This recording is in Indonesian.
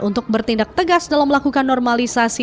untuk bertindak tegas dalam melakukan normalisasi